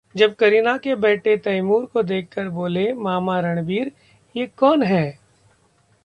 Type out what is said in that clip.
जब करीना के बेटे तैमूर को देखकर बोले मामा रणबीर, ये कौन है?